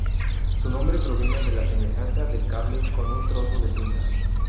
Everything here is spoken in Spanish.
Su nombre proviene de la semejanza del cable con un trozo de cinta.